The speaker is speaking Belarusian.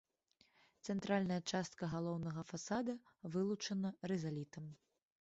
Цэнтральная частка галоўнага фасада вылучана рызалітам.